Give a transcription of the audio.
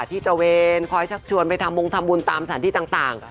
ตระเวนคอยชักชวนไปทำวงทำบุญตามสถานที่ต่าง